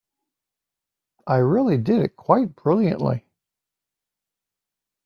I really did it quite brilliantly.